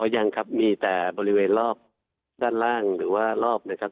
ยังครับมีแต่บริเวณรอบด้านล่างหรือว่ารอบนะครับ